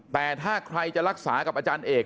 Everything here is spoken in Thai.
แต่ถ้าใครจะรักษากับอาจารย์เอก